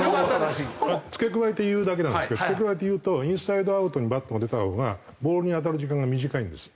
付け加えて言うだけなんですけど付け加えて言うとインサイドアウトにバットが出たほうがボールに当たる時間が短いんですよ。